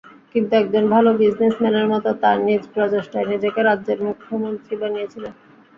কিন্তু একজন ভালো বিজনেসম্যানের মতো, তার নিজ প্রচেষ্টায় নিজেকে রাজ্যের মুখ্যমন্ত্রী বানিয়েছিলেন।